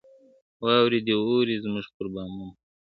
واوري دي اوري زموږ پر بامونو `